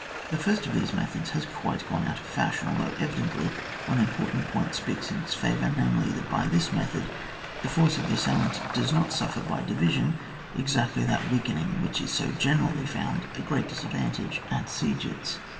The first of these methods has gone quite out of fashion, although evidently one im portant point speaks in its favour, namely, that by this method the force of the assailant does not suffer by division ex actly that weakening which is so gene rally found a great disadvantage at CHAF. XVII.1 ATTACK OF FORTRESSES. 25 sieges.